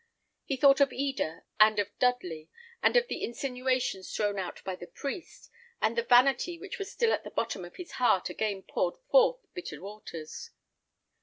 He thought of Eda and of Dudley, and of the insinuations thrown out by the priest; and the vanity which was still at the bottom of his heart again poured forth bitter waters.